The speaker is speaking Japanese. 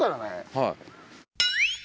はい。